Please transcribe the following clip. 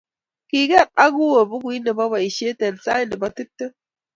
kiker Agueo bukuit ne bo baoishe eng sait ne bo tiptem.